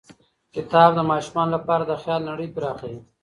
کتاب د ماشومانو لپاره د خیال نړۍ پراخوي.